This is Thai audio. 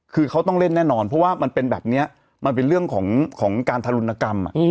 คือเขาต้องเล่นแน่นอนเพราะว่ามันเป็นแบบนี้มันเป็นเรื่องของการทารุณกรรม